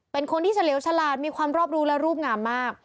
เป็นคนที่เฉลียวฉลาดมีความรอบรู้และรูปงามมาก